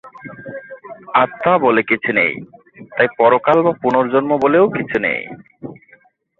আত্মা বলে কিছু নেই; তাই পরকাল বা পুনর্জন্ম বলেও কিছু নেই।